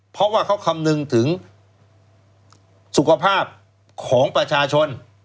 เพราะว่าเขาคำนึงถึงสุขภาพของประชาชน